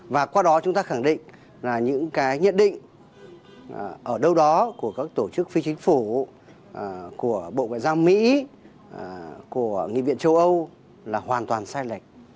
và qua đó chúng ta khẳng định là những cái nhận định ở đâu đó của các tổ chức phi chính phủ của bộ ngoại giao mỹ của nghị viện châu âu là hoàn toàn sai lệch